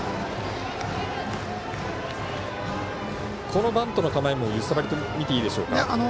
このバントの構えも揺さぶりとみていいでしょうか？